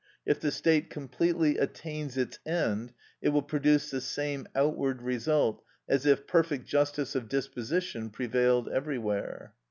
If the state completely attains its end, it will produce the same outward result as if perfect justice of disposition prevailed everywhere.